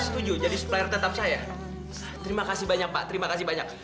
terima kasih banyak pak terima kasih banyak